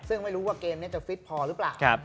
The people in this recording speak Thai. ซึ่งไม่รู้ว่าเกมนี้จะฟิตพอหรือเปล่า